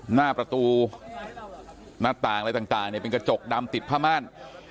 หน้าประตูหน้าต่างอะไรต่างเป็นกระจกดำติดผ้าม่าน